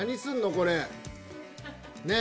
これねぇ！